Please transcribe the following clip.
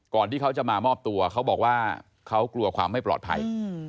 ที่เขาจะมามอบตัวเขาบอกว่าเขากลัวความไม่ปลอดภัย